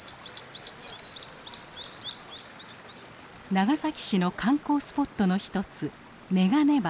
長崎市の観光スポットの一つ眼鏡橋。